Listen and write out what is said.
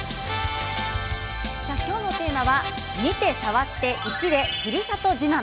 きょうのテーマは見て触って石でふるさと自慢。